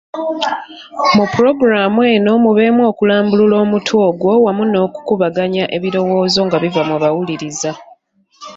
Mu pulogulaamu eno mubeemu okulambulula omutwe ogwo wamu n’okukubaganya ebirowoozo nga biva mu bawuliriza.